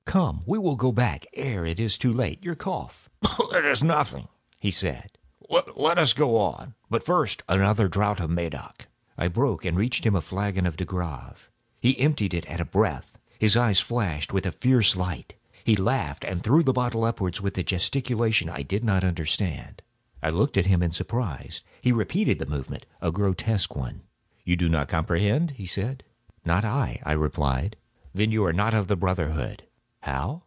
Come, we will go back ere it is too late. Your cough—" "It is nothing," he said; "let us go on. But first, another draught of the Medoc." I broke and reached him a flagon of De Grâve. He emptied it at a breath. His eyes flashed with a fierce light. He laughed and threw the bottle upwards with a gesticulation I did not understand. I looked at him in surprise. He repeated the movement—a grotesque one. "You do not comprehend?" he said. "Not I," I replied. "Then you are not of the brotherhood." "How?"